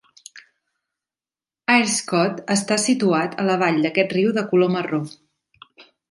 Aarschot està situat a la vall d'aquest riu de color marró.